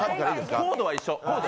コードは一緒。